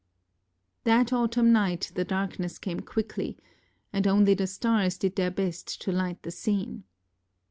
That autumn night the darkness came quickly, and only the stars did their best to light the scene.